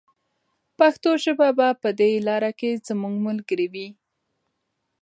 پښتو ژبه به په دې لاره کې زموږ ملګرې وي.